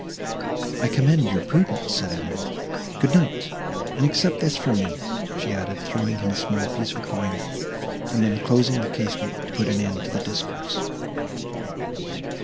"I commend your prudence," said Emily. "Good night, and accept this from me," she added, throwing him a small piece of coin, and then closing the casement to put an end to the discourse.